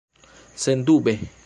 sendube